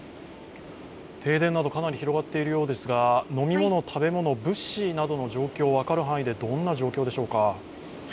停電など、かなり広がっているようですが、飲み物、食べ物、物資などの状況分かる範囲でどんな状況でしょうか。